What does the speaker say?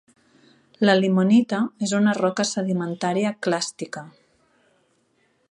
La limonita és una roca sedimentària clàstica.